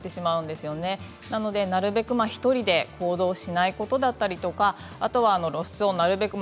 ですので、なるべく１人で行動しないことだったりとか露出をなるべく。